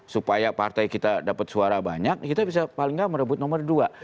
supaya partai kita dapat suara banyak kita bisa paling nggak merebut nomor dua